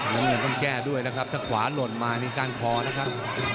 น้ำเงินต้องแก้ด้วยนะครับถ้าขวาหล่นมานี่ก้านคอนะครับ